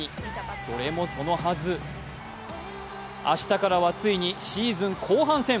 それもそのはず、明日からはついにシーズン後半戦。